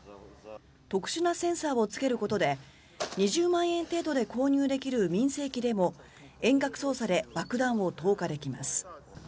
特殊なセンサーをつけることで２０万円程度で購入できる民生機でも遠隔操作で爆弾を投下できます。